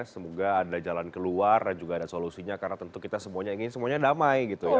semoga ada jalan keluar dan juga ada solusinya karena tentu kita semuanya ingin semuanya damai gitu ya